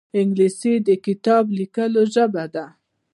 انګلیسي د کتاب لیکلو ژبه ده